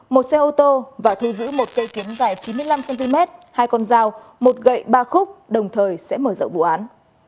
một xe ô tô và thu giữ một cây kiếm dài chín mươi năm cm hai con dao một gậy ba khúc đồng thời sẽ mở rộng vụ án